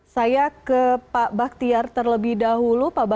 saya ke pak baktiar terlebih dahulu